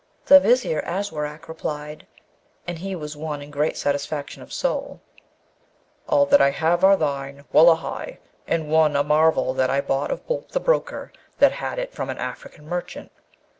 The Vizier Aswarak replied, and he was one in great satisfaction of soul, 'All that I have are thine. Wullahy! and one, a marvel, that I bought of Boolp the broker, that had it from an African merchant.'